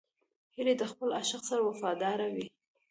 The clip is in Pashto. هیلۍ د خپل عاشق سره وفاداره وي